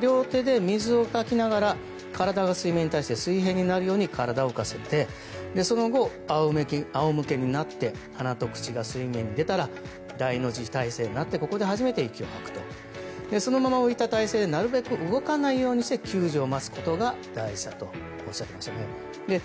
両手で水をかきながら体が水面に対して水平になるように体を浮かせて、その後仰向けになって鼻と口が水面に出たら大の字体勢になってここで初めて息を吐くとそのまま浮いた体勢でなるべく動かないようにして救助を待つことが大事だとおっしゃってましたね。